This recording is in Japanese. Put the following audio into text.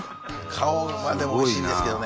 顔はでもおいしいんですけどね。